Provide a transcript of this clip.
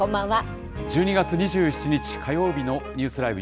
１２月２７日火曜日のニュースＬＩＶＥ！